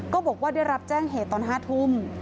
ก็บอกว่าได้รับแจ้งเหตุตอน๕ทุ่ม